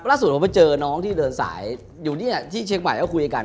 ล่าสุดผมมาเจอน้องที่เดินสายอยู่ที่เชคไบเขาคุยกัน